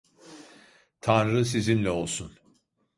Tanrı sizinle olsun.